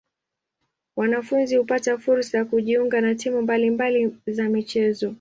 Wanafunzi hupata fursa ya kujiunga na timu mbali mbali za michezo.